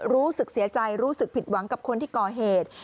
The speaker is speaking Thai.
รู้สึกเสียใจรู้สึกผิดหวังกับคนที่ก่อเหตุ